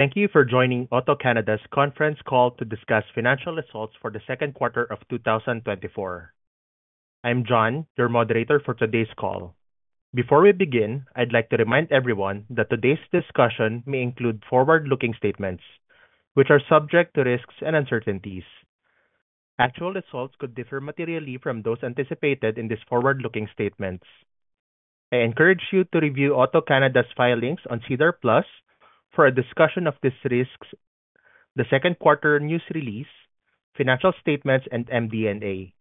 Thank you for joining AutoCanada's conference call to discuss financial results for the second quarter of 2024. I'm John, your moderator for today's call. Before we begin, I'd like to remind everyone that today's discussion may include forward-looking statements, which are subject to risks and uncertainties. Actual results could differ materially from those anticipated in these forward-looking statements. I encourage you to review AutoCanada's filings on for a discussion of these risks, the second quarter news release, financial statements, and MD&A.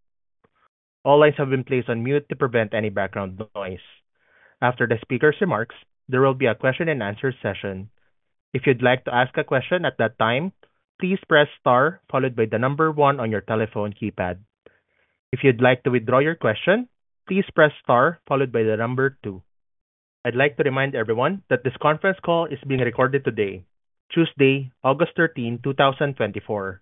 All lines have been placed on mute to prevent any background noise. After the speaker's remarks, there will be a question and answer session. If you'd like to ask a question at that time, please press star followed by the number one on your telephone keypad. If you'd like to withdraw your question, please press star followed by the number two. I'd like to remind everyone that this conference call is being recorded today, Tuesday, August 13, 2024.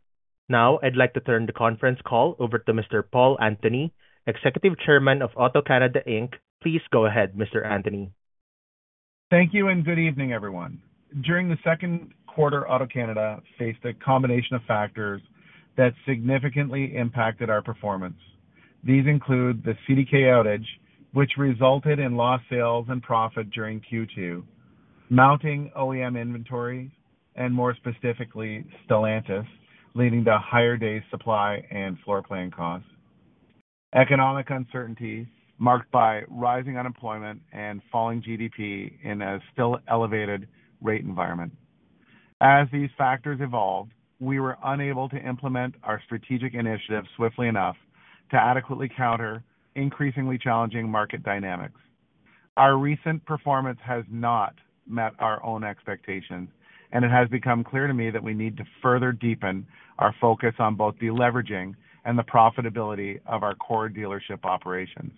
Now, I'd like to turn the conference call over to Mr. Paul Antony, Executive Chairman of AutoCanada Inc. Please go ahead, Mr. Antony. Thank you and good evening, everyone. During the second quarter, AutoCanada faced a combination of factors that significantly impacted our performance. These include the CDK outage, which resulted in lost sales and profit during Q2, mounting OEM inventory, and more specifically, Stellantis, leading to higher day supply and floorplan costs. Economic uncertainty marked by rising unemployment and falling GDP in a still elevated rate environment. As these factors evolved, we were unable to implement our strategic initiatives swiftly enough to adequately counter increasingly challenging market dynamics. Our recent performance has not met our own expectations, and it has become clear to me that we need to further deepen our focus on both deleveraging and the profitability of our core dealership operations.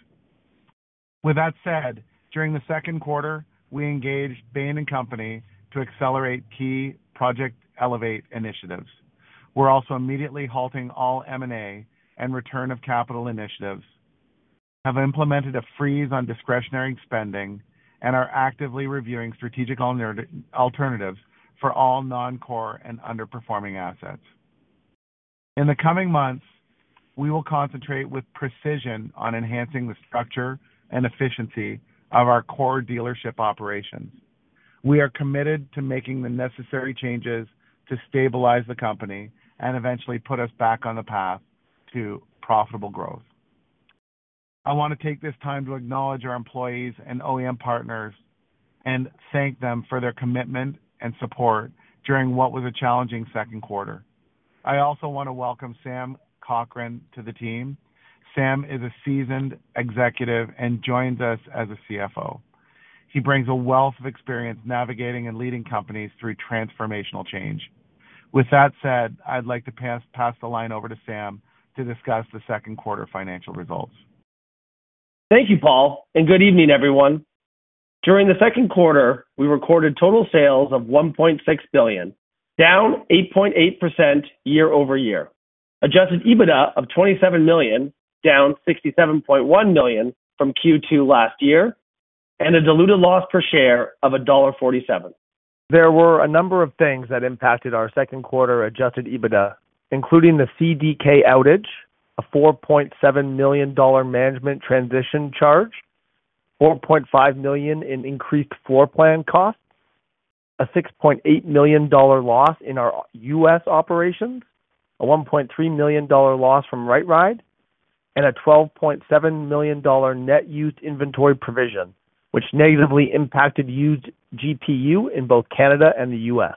With that said, during the second quarter, we engaged Bain & Company to accelerate key Project Elevate initiatives. We're also immediately halting all M&A and return of capital initiatives, have implemented a freeze on discretionary spending, and are actively reviewing strategic alternatives for all non-core and underperforming assets. In the coming months, we will concentrate with precision on enhancing the structure and efficiency of our core dealership operations. We are committed to making the necessary changes to stabilize the company and eventually put us back on the path to profitable growth. I want to take this time to acknowledge our employees and OEM partners and thank them for their commitment and support during what was a challenging second quarter. I also want to welcome Sam Cochrane to the team. Sam is a seasoned executive and joins us as a CFO. He brings a wealth of experience navigating and leading companies through transformational change. With that said, I'd like to pass the line over to Sam to discuss the second quarter financial results. Thank you, Paul, and good evening, everyone. During the second quarter, we recorded total sales of $1.6 billion, down 8.8% year-over-year. Adjusted EBITDA of $27 million, down $67.1 million from Q2 last year, and a diluted loss per share of $1.47. There were a number of things that impacted our second quarter adjusted EBITDA, including the CDK outage, a $4.7 million management transition charge, $4.5 million in increased floorplan costs, a $6.8 million loss in our U.S. operations, a $1.3 million loss from RightRide, and a $12.7 million net used inventory provision, which negatively impacted used GPU in both Canada and the U.S.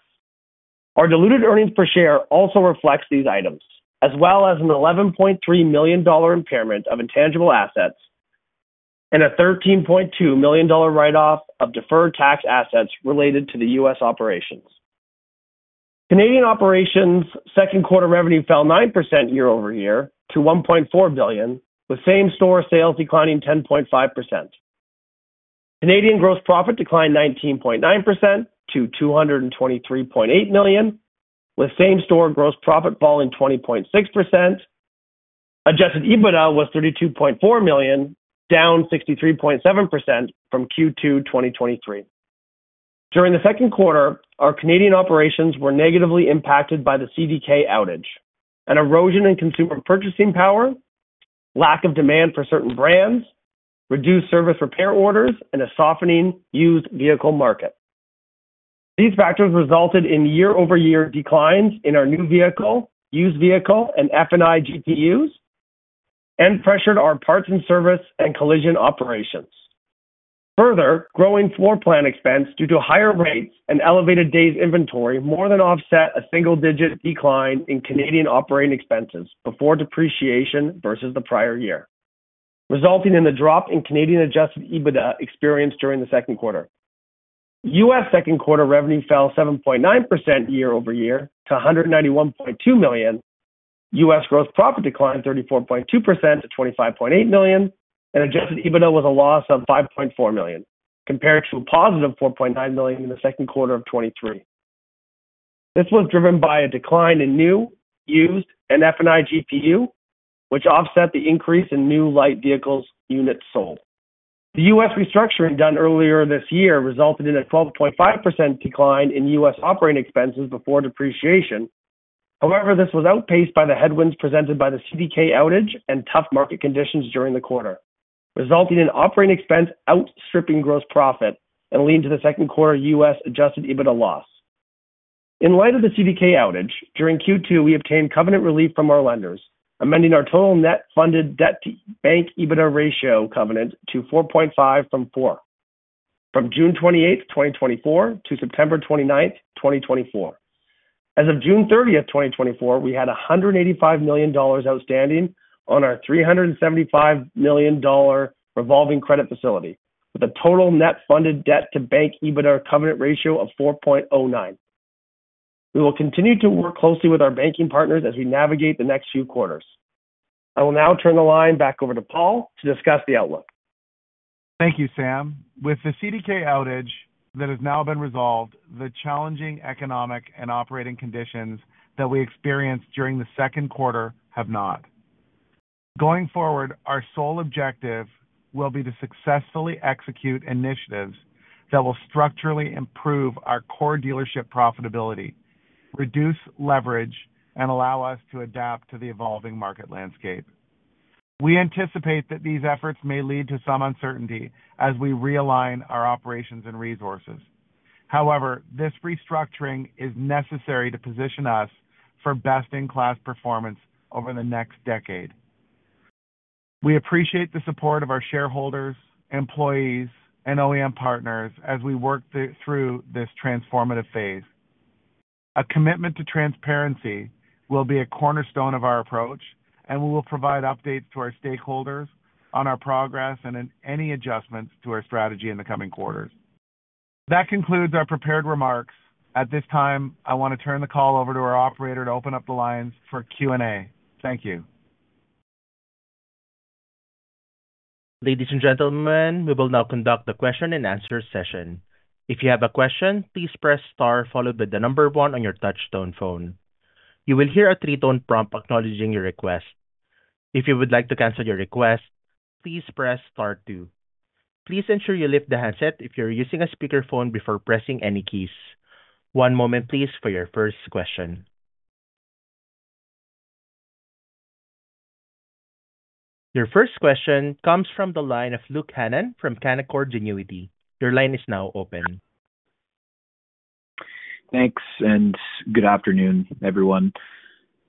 Our diluted earnings per share also reflects these items, as well as an $11.3 million impairment of intangible assets and a $13.2 million write-off of deferred tax assets related to the US operations. Canadian operations' second quarter revenue fell 9% year-over-year to $1.4 billion, with same-store sales declining 10.5%. Canadian gross profit declined 19.9% to $223.8 million, with same-store gross profit falling 20.6%. Adjusted EBITDA was $32.4 million, down 63.7% from Q2 2023. During the second quarter, our Canadian operations were negatively impacted by the CDK outage, an erosion in consumer purchasing power, lack of demand for certain brands, reduced service repair orders, and a softening used vehicle market. These factors resulted in year-over-year declines in our new vehicle, used vehicle, and F&I GPUs, and pressured our parts and service and collision operations. Further, growing floor plan expense due to higher rates and elevated days inventory more than offset a single-digit decline in Canadian operating expenses before depreciation versus the prior year, resulting in the drop in Canadian adjusted EBITDA experienced during the second quarter. US second quarter revenue fell 7.9% year-over-year to $191.2 million. US gross profit declined 34.2% to $25.8 million, and adjusted EBITDA was a loss of $5.4 million, compared to a positive $4.9 million in the second quarter of 2023. This was driven by a decline in new, used, and F&I GPU, which offset the increase in new light vehicles units sold. The U.S. restructuring done earlier this year resulted in a 12.5% decline in U.S. operating expenses before depreciation. However, this was outpaced by the headwinds presented by the CDK outage and tough market conditions during the quarter, resulting in operating expense outstripping gross profit and leading to the second quarter U.S. adjusted EBITDA loss. In light of the CDK outage, during Q2, we obtained covenant relief from our lenders, amending our total net funded debt-to-bank EBITDA ratio covenant to four point five from four, from June 28, 2024, to September 29th, 2024. As of June 30th, 2024, we had $185 million outstanding on our $375 million revolving credit facility, with a total net funded debt-to-bank EBITDA covenant ratio of 4.09. We will continue to work closely with our banking partners as we navigate the next few quarters. I will now turn the line back over to Paul to discuss the outlook. Thank you, Sam. With the CDK outage that has now been resolved, the challenging economic and operating conditions that we experienced during the second quarter have not. Going forward, our sole objective will be to successfully execute initiatives that will structurally improve our core dealership profitability, reduce leverage, and allow us to adapt to the evolving market landscape. We anticipate that these efforts may lead to some uncertainty as we realign our operations and resources. However, this restructuring is necessary to position us for best-in-class performance over the next decade. We appreciate the support of our shareholders, employees, and OEM partners as we work through this transformative phase. A commitment to transparency will be a cornerstone of our approach, and we will provide updates to our stakeholders on our progress and in any adjustments to our strategy in the coming quarters. That concludes our prepared remarks. At this time, I want to turn the call over to our operator to open up the lines for Q&A. Thank you. Ladies and gentlemen, we will now conduct the question-and-answer session. If you have a question, please press star followed by the number one on your touchtone phone. You will hear a three-tone prompt acknowledging your request. If you would like to cancel your request, please press star two. Please ensure you lift the handset if you're using a speakerphone before pressing any keys. One moment, please, for your first question. Your first question comes from the line of Luke Hannan from Canaccord Genuity. Your line is now open. Thanks, and good afternoon, everyone.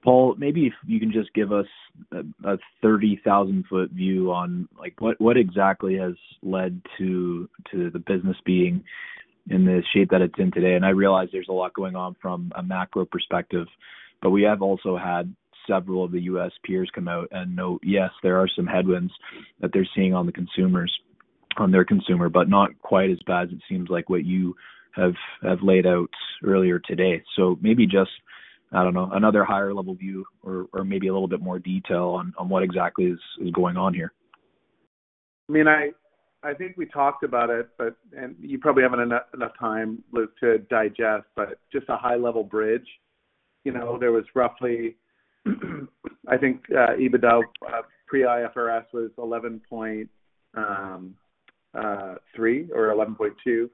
Paul, maybe if you can just give us a, a 30,000-foot view on, like, what, what exactly has led to, to the business being in the shape that it's in today? I realize there's a lot going on from a macro perspective, but we have also had several of the US peers come out and note, yes, there are some headwinds that they're seeing on the consumers, on their consumer, but not quite as bad as it seems like what you have, have laid out earlier today. Maybe just, I don't know, another higher level view or, or maybe a little bit more detail on, on what exactly is, is going on here. I mean, I think we talked about it, but and you probably haven't enough time, Luke, to digest, but just a high-level bridge. You know, there was roughly, I think, EBITDA pre-IFRS was 11.3 or 11.2.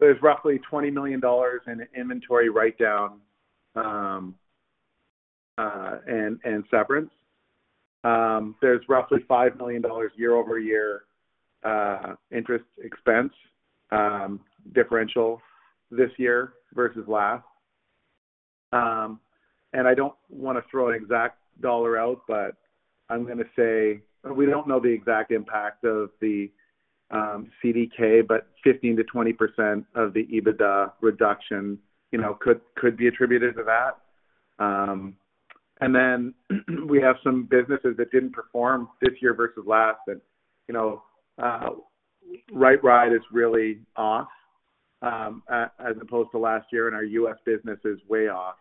There's roughly $20 million in inventory write-down and severance. There's roughly $5 million year-over-year interest expense differential this year versus last. And I don't wanna throw an exact dollar out, but I'm gonna say we don't know the exact impact of the CDK, but 15%-20% of the EBITDA reduction, you know, could be attributed to that. And then we have some businesses that didn't perform this year versus last. You know, RightRide is really off, as opposed to last year, and our US business is way off.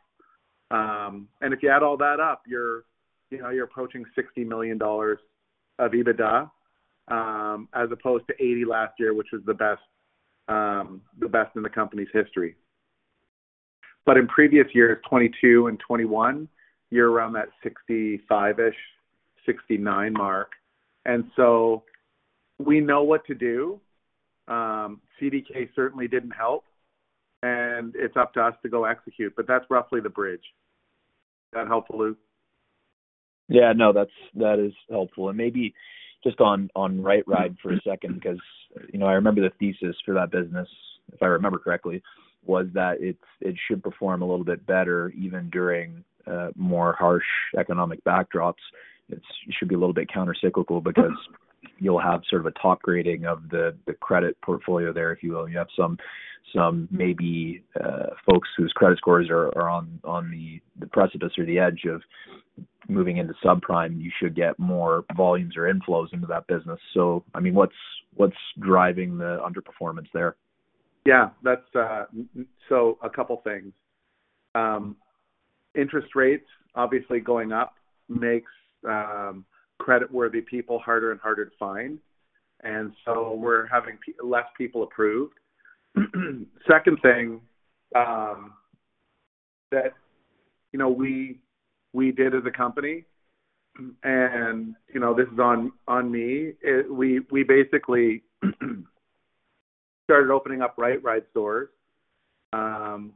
If you add all that up, you're, you know, you're approaching $60 million of EBITDA, as opposed to $80 million last year, which was the best, the best in the company's history. But in previous years, 2022 and 2021, you're around that 65-ish, 69 mark. So we know what to do. CDK certainly didn't help, and it's up to us to go execute, but that's roughly the bridge. Is that helpful, Luke? Yeah. No, that's - that is helpful. And maybe just on RightRide for a second, because, you know, I remember the thesis for that business, if I remember correctly, was that it should perform a little bit better, even during more harsh economic backdrops. It should be a little bit countercyclical because you'll have sort of a top grading of the credit portfolio there, if you will. You have some maybe folks whose credit scores are on the precipice or the edge of moving into subprime. You should get more volumes or inflows into that business. So, I mean, what's driving the underperformance there? Yeah, that's. So a couple things. Interest rates obviously going up makes creditworthy people harder and harder to find, and so we're having less people approved. Second thing, that, you know, we, we did as a company, and, you know, this is on, on me. We, we basically started opening up RightRide stores,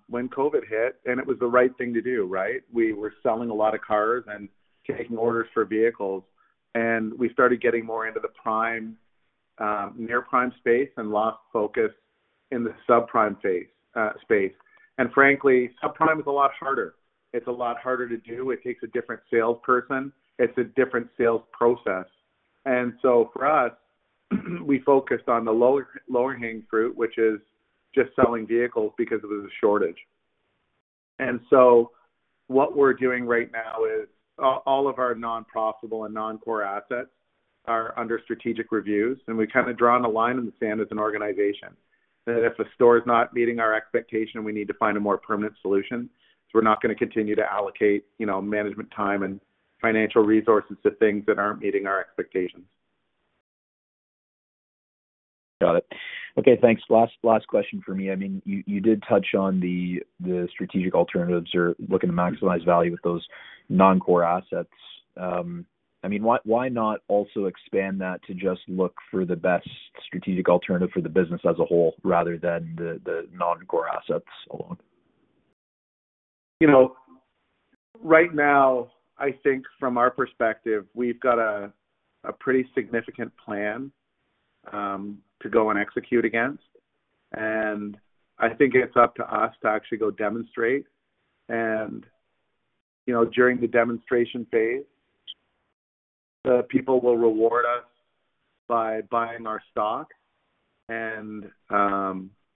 when COVID hit, and it was the right thing to do, right? We were selling a lot of cars and taking orders for vehicles, and we started getting more into the prime, near prime space and lost focus in the subprime space. And frankly, subprime is a lot harder. It's a lot harder to do. It takes a different salesperson. It's a different sales process. For us, we focused on the lower, lower hanging fruit, which is just selling vehicles because it was a shortage. What we're doing right now is, all, all of our non-profitable and non-core assets are under strategic reviews, and we kind of drawn a line in the sand as an organization, that if a store is not meeting our expectation, we need to find a more permanent solution. We're not gonna continue to allocate, you know, management time and financial resources to things that aren't meeting our expectations. Got it. Okay, thanks. Last, last question for me. I mean, you, you did touch on the, the strategic alternatives or looking to maximize value with those non-core assets. I mean, why, why not also expand that to just look for the best strategic alternative for the business as a whole, rather than the, the non-core assets alone? You know, right now, I think from our perspective, we've got a pretty significant plan to go and execute against. And, you know, during the demonstration phase, the people will reward us by buying our stock, and,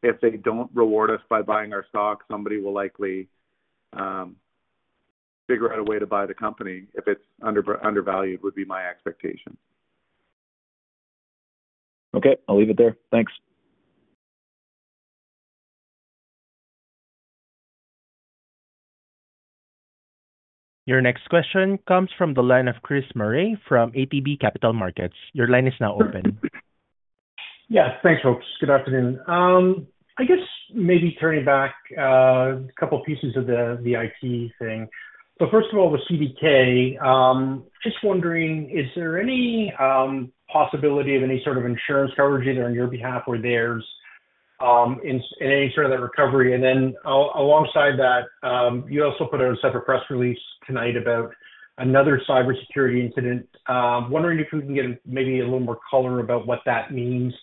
if they don't reward us by buying our stock, somebody will likely figure out a way to buy the company if it's undervalued, would be my expectation. Okay, I'll leave it there. Thanks. Your next question comes from the line of Chris Murray from ATB Capital Markets. Your line is now open. Yes, thanks, folks. Good afternoon. I guess maybe turning back a couple pieces of the IT thing. So first of all, the CDK, just wondering, is there any possibility of any sort of insurance coverage, either on your behalf or theirs, in any sort of that recovery? And then alongside that, you also put out a separate press release tonight about another cybersecurity incident. Wondering if we can get maybe a little more color about what that means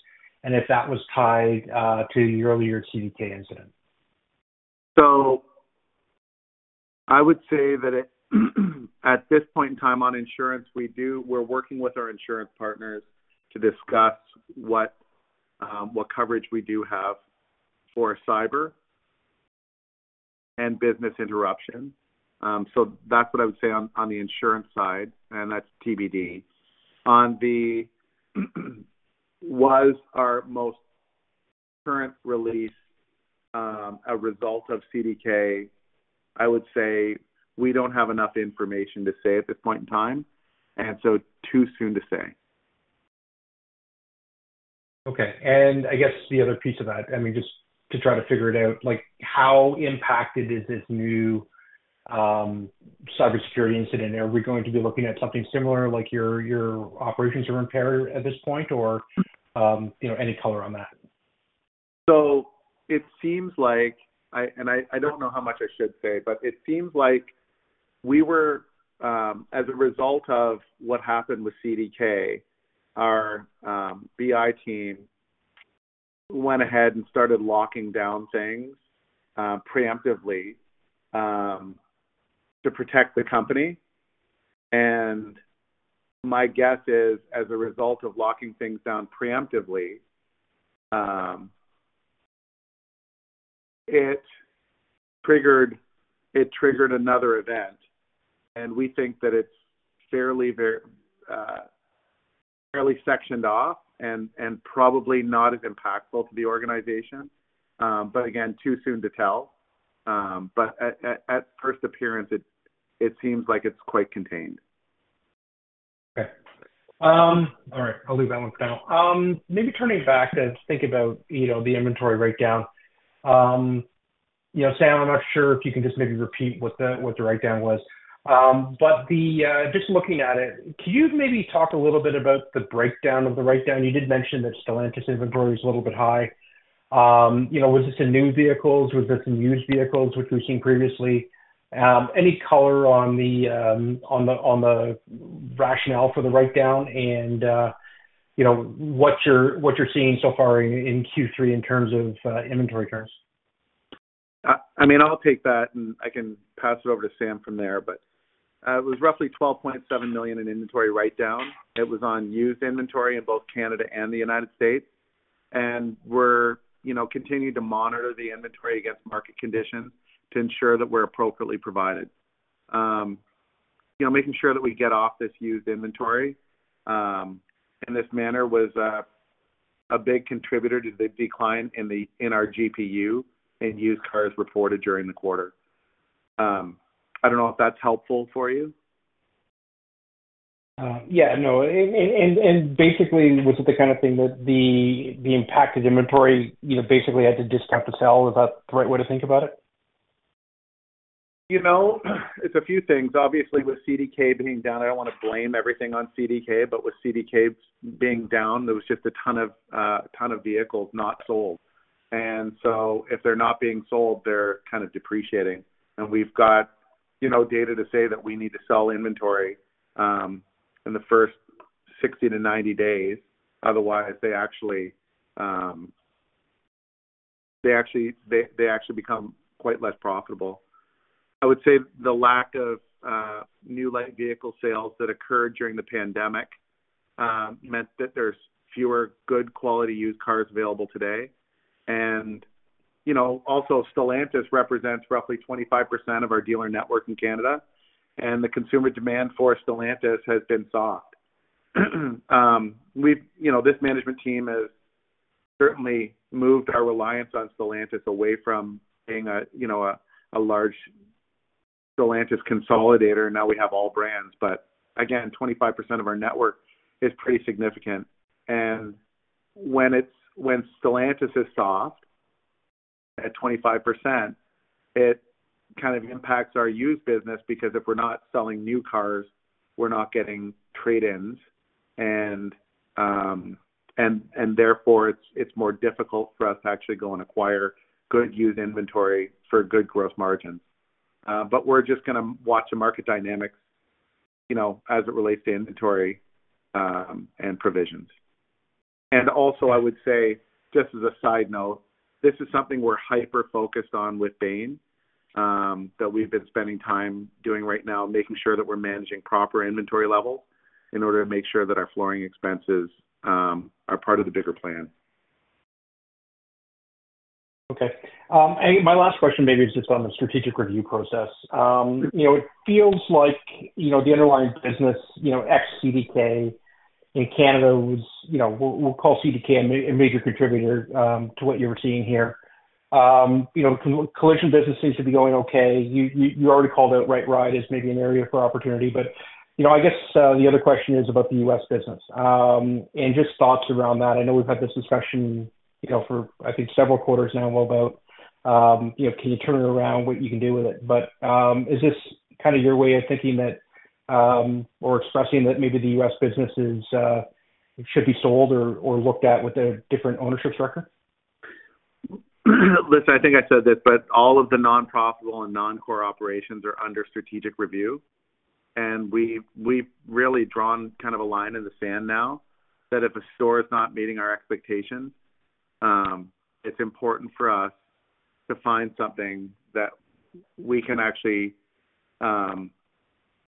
and if that was tied to the earlier CDK incident. So I would say that it, at this point in time on insurance, we're working with our insurance partners to discuss what, what coverage we do have for cyber and business interruption. So that's what I would say on, on the insurance side, and that's TBD. On the [inaudible] was our most current release a result of CDK? I would say we don't have enough information to say at this point in time, and so, too soon to say. Okay. And I guess the other piece of that, I mean, just to try to figure it out, like, how impacted is this new cybersecurity incident? Are we going to be looking at something similar, like your, your operations are impaired at this point, or, you know, any color on that? So it seems like And I don't know how much I should say, but it seems like we were, as a result of what happened with CDK, our BI team went ahead and started locking down things, preemptively, to protect the company. And my guess is, as a result of locking things down preemptively, it triggered, it triggered another event, and we think that it's fairly very sectioned off and probably not as impactful to the organization. But again, too soon to tell. But at first appearance, it seems like it's quite contained. Okay. All right, I'll leave that one for now. Maybe turning back to think about, you know, the inventory write-down. You know, Sam, I'm not sure if you can just maybe repeat what the, what the write-down was. But the, just looking at it, can you maybe talk a little bit about the breakdown of the write-down? You did mention that Stellantis inventory is a little bit high. You know, was this in new vehicles? Was this in used vehicles, which we've seen previously? Any color on the, on the, on the rationale for the write-down and, you know, what you're, what you're seeing so far in, in Q3 in terms of, inventory terms? I mean, I'll take that, and I can pass it over to Sam from there, but it was roughly $12.7 million in inventory write down. It was on used inventory in both Canada and the United States. And we're, you know, continuing to monitor the inventory against market conditions to ensure that we're appropriately provided. You know, making sure that we get off this used inventory in this manner was a big contributor to the decline in our GPU and used cars reported during the quarter. I don't know if that's helpful for you? Yeah, no, basically, was it the kind of thing that the impacted inventory, you know, basically had to discount to sell? Is that the right way to think about it? You know, it's a few things. Obviously, with CDK being down, I don't want to blame everything on CDK, but with CDK being down, there was just a ton of, a ton of vehicles not sold. And so if they're not being sold, they're kind of depreciating. And we've got, you know, data to say that we need to sell inventory in the first 60-90 days. Otherwise, they actually become quite less profitable. I would say the lack of new light vehicle sales that occurred during the pandemic meant that there's fewer good quality used cars available today. And, you know, also, Stellantis represents roughly 25% of our dealer network in Canada, and the consumer demand for Stellantis has been soft. We've, you know, this management team has certainly moved our reliance on Stellantis away from being a, you know, a large Stellantis consolidator. Now we have all brands, but again, 25% of our network is pretty significant. And when Stellantis is soft at 25%, it kind of impacts our used business because if we're not selling new cars, we're not getting trade-ins. And therefore, it's more difficult for us to actually go and acquire good used inventory for good growth margins. But we're just gonna watch the market dynamics, you know, as it relates to inventory and provisions. Also, I would say, just as a side note, this is something we're hyper-focused on with Bain that we've been spending time doing right now, making sure that we're managing proper inventory levels in order to make sure that our floorplan expenses are part of the bigger plan. Okay. And my last question maybe is just on the strategic review process. You know, it feels like, you know, the underlying business, you know, ex-CDK in Canada was, you know, we'll call CDK a major contributor to what you were seeing here. You know, collision business seems to be going okay. You already called out RightRide as maybe an area for opportunity. But, you know, I guess the other question is about the U.S. business, and just thoughts around that. I know we've had this discussion, you know, for I think several quarters now, about, you know, can you turn it around, what you can do with it. But, is this kind of your way of thinking that, or expressing that maybe the US business is should be sold or, or looked at with a different ownership structure? Listen, I think I said this, but all of the non-profitable and non-core operations are under strategic review, and we've really drawn kind of a line in the sand now, that if a store is not meeting our expectations, it's important for us to find something that we can actually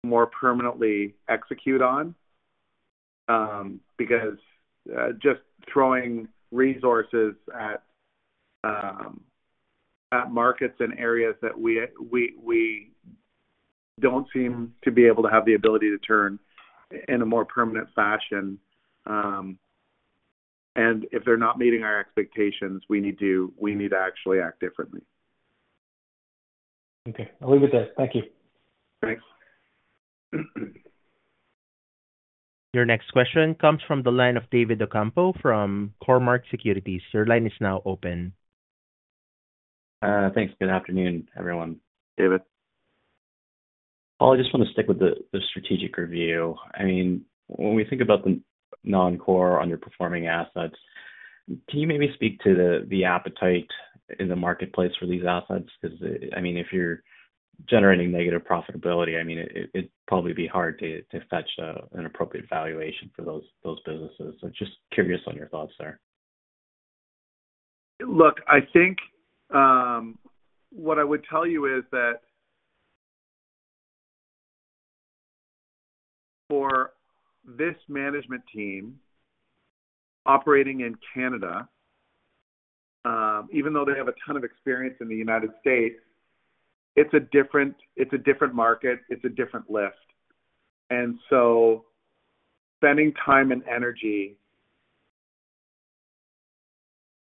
more permanently execute on. Because just throwing resources at markets and areas that we don't seem to be able to have the ability to turn in a more permanent fashion, and if they're not meeting our expectations, we need to actually act differently. Okay, I'll leave it there. Thank you. Thanks. Your next question comes from the line of David Ocampo from Cormark Securities. Your line is now open. Thanks. Good afternoon, everyone. David. Paul, I just want to stick with the strategic review. I mean, when we think about the non-core underperforming assets, can you maybe speak to the appetite in the marketplace for these assets? Because, I mean, if you're generating negative profitability, I mean, it'd probably be hard to fetch an appropriate valuation for those businesses. So just curious on your thoughts there. Look, I think, what I would tell you is that for this management team operating in Canada, even though they have a ton of experience in the United States, it's a different, it's a different market, it's a different lift. And so spending time and energy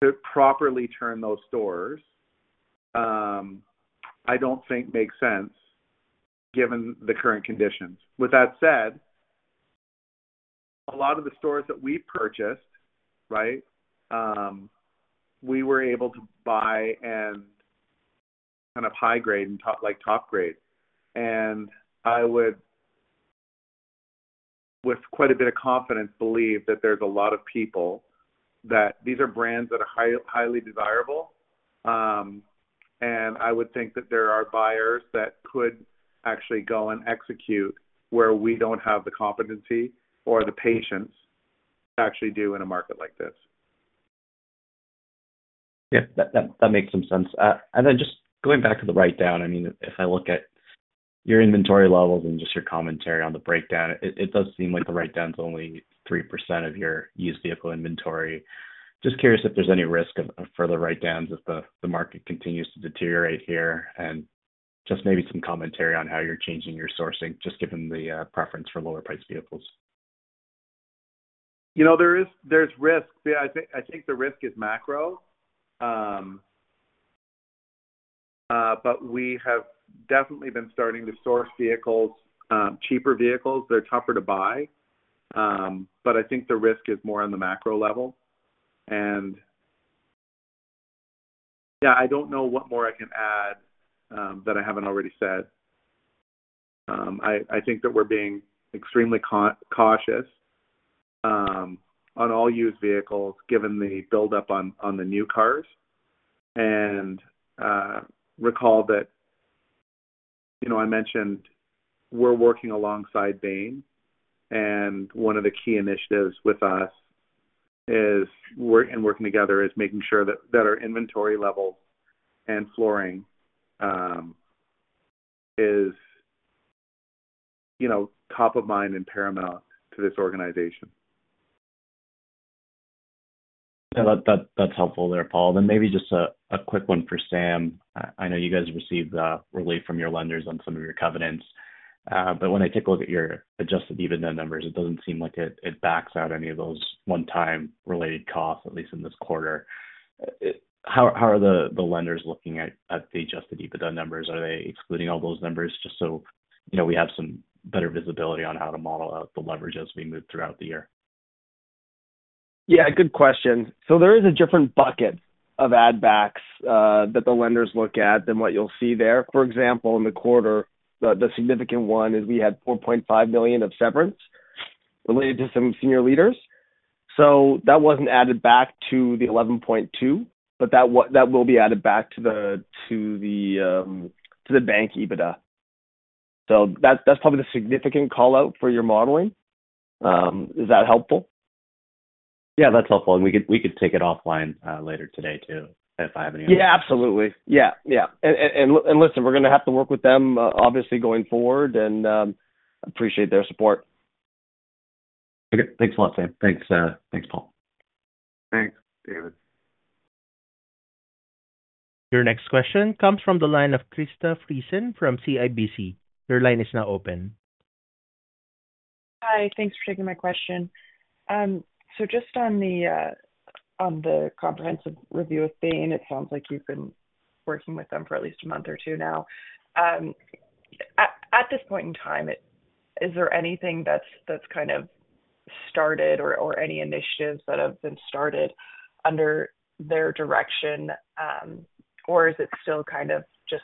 to properly turn those stores, I don't think makes sense given the current conditions. With that said, a lot of the stores that we purchased, right, we were able to buy and kind of high-grade and top like, top grade. And I would, with quite a bit of confidence, believe that there's a lot of people, that these are brands that are high- highly desirable. And I would think that there are buyers that could actually go and execute where we don't have the competency or the patience to actually do in a market like this. Yeah, that, that, that makes some sense. And then just going back to the write-down, I mean, if I look at your inventory levels and just your commentary on the breakdown, it, it does seem like the write-down's only 3% of your used vehicle inventory. Just curious if there's any risk of, of further write-downs as the, the market continues to deteriorate here, and just maybe some commentary on how you're changing your sourcing, just given the preference for lower priced vehicles. You know, there is, there's risk. Yeah, I think the risk is macro. But we have definitely been starting to source vehicles, cheaper vehicles. They're tougher to buy, but I think the risk is more on the macro level. And, yeah, I don't know what more I can add, that I haven't already said. I think that we're being extremely cautious, on all used vehicles, given the buildup on the new cars, and recall that, you know, I mentioned we're working alongside Bain, and one of the key initiatives with us is working together is making sure that our inventory levels and floorplan is top of mind and paramount to this organization. Yeah, that's helpful there, Paul. Then maybe just a quick one for Sam. I know you guys received relief from your lenders on some of your covenants, but when I take a look at your Adjusted EBITDA numbers, it doesn't seem like it backs out any of those one-time related costs, at least in this quarter. How are the lenders looking at the Adjusted EBITDA numbers? Are they excluding all those numbers, just so, you know, we have some better visibility on how to model out the leverage as we move throughout the year? Yeah, good question. So there is a different bucket of add backs that the lenders look at than what you'll see there. For example, in the quarter, the significant one is we had $4.5 billion of severance related to some senior leaders, so that wasn't added back to the $11.2, but that will be added back to the bank EBITDA. So that's probably the significant call-out for your modeling. Is that helpful? Yeah, that's helpful, and we could, we could take it offline, later today, too, if I have any Yeah, absolutely. Yeah, yeah. And listen, we're gonna have to work with them, obviously going forward, and appreciate their support. Okay. Thanks a lot, Sam. Thanks, thanks, Paul. Thanks, David. Your next question comes from the line of Krista Friesen from CIBC. Your line is now open. Hi, thanks for taking my question. So just on the, on the comprehensive review of Bain, it sounds like you've been working with them for at least a month or two now. At, at this point in time, is there anything that's, that's kind of started or, or any initiatives that have been started under their direction, or is it still kind of just,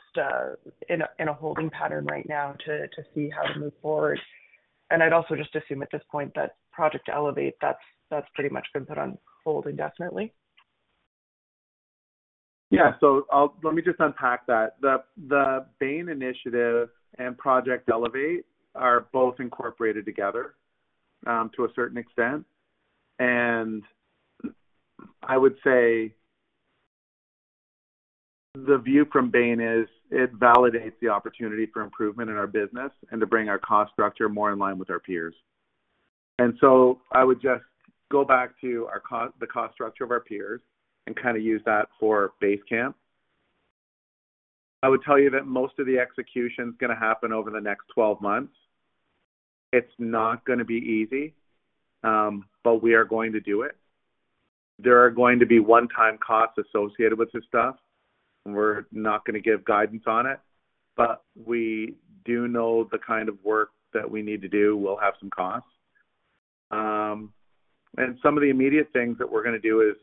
in a, in a holding pattern right now to, to see how to move forward? I'd also just assume at this point that Project Elevate, that's, that's pretty much been put on hold indefinitely. Yeah. So I'll, Let me just unpack that. The Bain initiative and Project Elevate are both incorporated together, to a certain extent, and I would say the view from Bain is it validates the opportunity for improvement in our business and to bring our cost structure more in line with our peers. And so I would just go back to the cost structure of our peers and kind of use that for base camp. I would tell you that most of the execution's gonna happen over the next 12 months. It's not gonna be easy, but we are going to do it. There are going to be one-time costs associated with this stuff. We're not gonna give guidance on it, but we do know the kind of work that we need to do will have some costs. And some of the immediate things that we're gonna do is,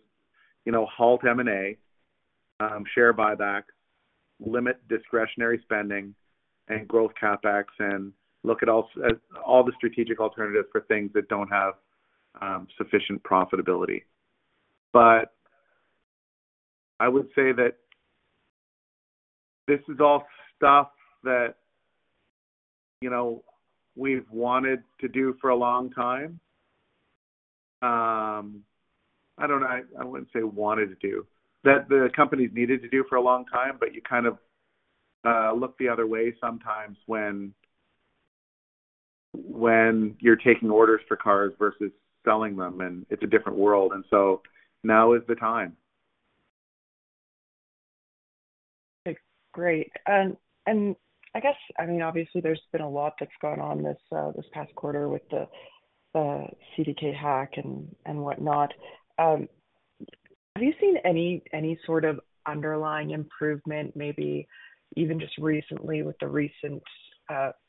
you know, halt M&A, share buyback, limit discretionary spending and growth CapEx, and look at at all the strategic alternatives for things that don't have sufficient profitability. But I would say that this is all stuff that, you know, we've wanted to do for a long time. I don't know, I wouldn't say wanted to do, that the company's needed to do for a long time, but you kind of look the other way sometimes when you're taking orders for cars versus selling them, and it's a different world, and so now is the time. Okay, great. I guess, I mean, obviously there's been a lot that's gone on this past quarter with the CDK hack and whatnot. Have you seen any sort of underlying improvement, maybe even just recently with the recent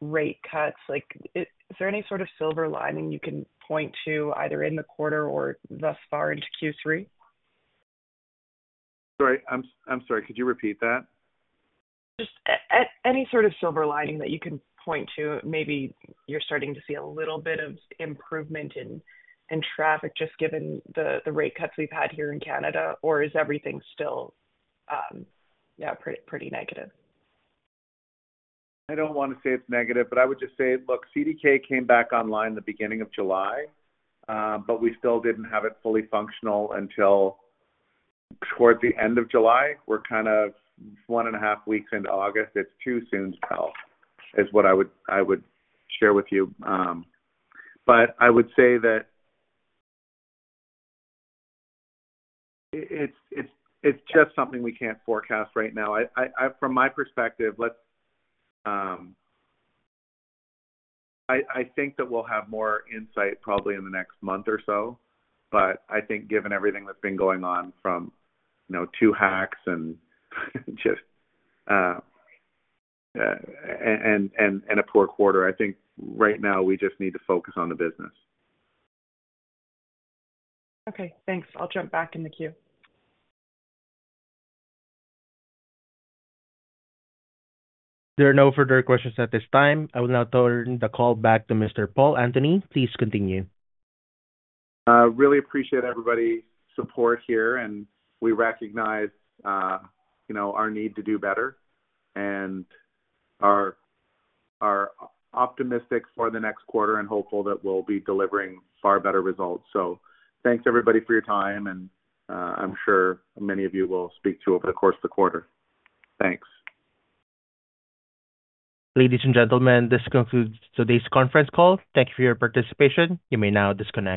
rate cuts? Like, is there any sort of silver lining you can point to either in the quarter or thus far into Q3? Sorry, I'm sorry. Could you repeat that? Just any sort of silver lining that you can point to, maybe you're starting to see a little bit of improvement in traffic, just given the rate cuts we've had here in Canada, or is everything still, yeah, pretty, pretty negative? I don't want to say it's negative, but I would just say, look, CDK came back online in the beginning of July, but we still didn't have it fully functional until towards the end of July. We're kind of one and a half weeks into August. It's too soon to tell, is what I would share with you, but I would say that it's just something we can't forecast right now. From my perspective, I think that we'll have more insight probably in the next month or so, but I think given everything that's been going on from, you know, two hacks and just and a poor quarter, I think right now we just need to focus on the business. Okay, thanks. I'll jump back in the queue. There are no further questions at this time. I will now turn the call back to Mr. Paul Antony. Please continue. I really appreciate everybody's support here, and we recognize, you know, our need to do better and are optimistic for the next quarter and hopeful that we'll be delivering far better results. So thanks, everybody, for your time, and, I'm sure many of you we'll speak to over the course of the quarter. Thanks. Ladies and gentlemen, this concludes today's conference call. Thank you for your participation. You may now disconnect.